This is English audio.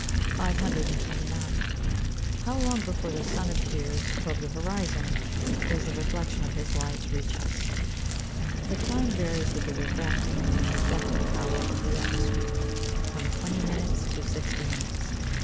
(See Fig. 13.) 529. How long before the sun appears above the horizon does the reflection of his light reach us? The time varies with the refracting and reflecting power of the atmosphere, from twenty minutes to sixty minutes.